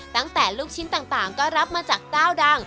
ตั้งแต่ลูกชิ้นต่างก็รับมาจากเจ้าดัง